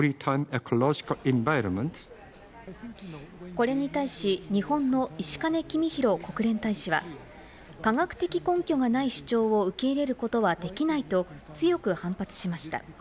これに対し日本の石兼公博国連大使は科学的根拠がない主張を受け入れることはできないと強く反発しました。